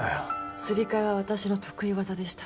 すり替えは私の得意技でした。